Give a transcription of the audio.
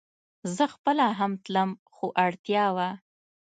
زه خپله هم تلم خو اړتيا وه